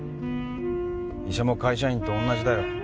医者も会社員と同じだよ